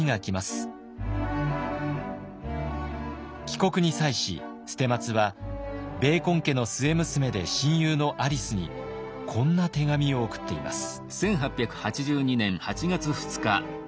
帰国に際し捨松はベーコン家の末娘で親友のアリスにこんな手紙を送っています。